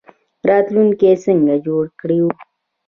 راتلونکی څنګه جوړ کړو؟